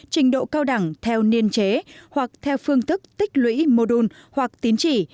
trình độ cao đẳng theo niên chế hoặc theo phương thức tích lũy mô đun hoặc tín chỉ